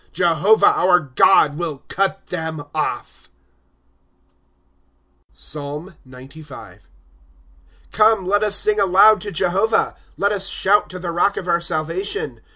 Jehovah, our God, will cut them off ! PSALM XCV. ^ Come, let us sing aloud to Jehovah, Let us shout to the rock of our salvation.